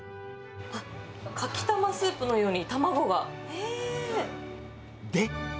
あっ、かきたまスープのように、卵が、えー！